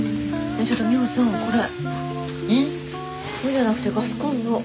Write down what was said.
じゃなくてガスコンロ。